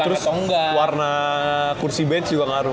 terus warna kursi batch juga ngaruh